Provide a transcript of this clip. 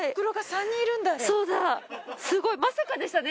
そうだまさかでしたね。